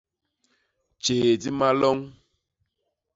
Tjéé di maloñ.